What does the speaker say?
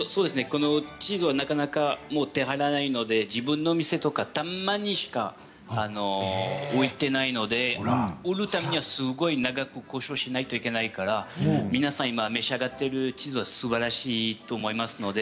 このチーズはなかなか手に入らないので自分の店とかたまにしか置いていないので売るためには、すごく長く交渉しなければいけないから今皆さんが召し上がっているチーズはすばらしいと思いますので。